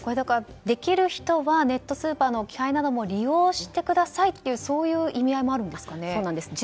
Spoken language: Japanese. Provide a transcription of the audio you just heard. できる人はネットスーパーの置き配なども利用してくださいという意味合いもあるんですかね。